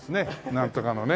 なんとかのね。